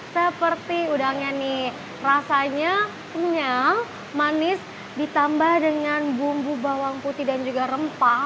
seperti udangnya nih rasanya kenyal manis ditambah dengan bumbu bawang putih dan juga rempah